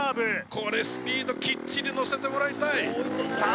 これスピードきっちり乗せてもらいたいさあ